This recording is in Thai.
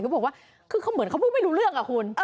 เขาพูดเหมือนเขาไม่รู้เรื่อง